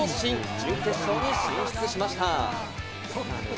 準決勝に進出しました。